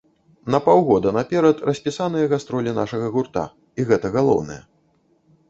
На паўгода наперад распісаныя гастролі нашага гурта і гэта галоўнае.